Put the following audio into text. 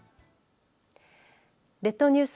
列島ニュース